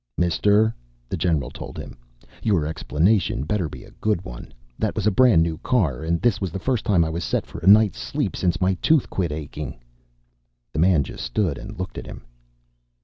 "Mister," the general told him, "your explanation better be a good one. That was a brand new car. And this was the first time I was set for a night of sleep since my tooth quit aching." The man just stood and looked at him.